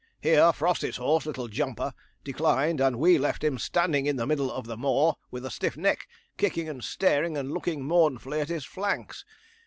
Here Frosty's horse, Little Jumper, declined, and we left him standing in the middle of the moor with a stiff neck, kicking and staring and looking mournfully at his flanks.